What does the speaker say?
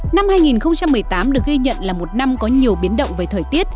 năm hai nghìn một mươi tám được ghi nhận là một năm có nhiều biến động về thời tiết